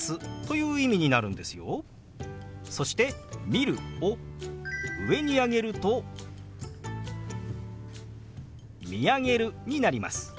そして「見る」を上に上げると「見上げる」になります。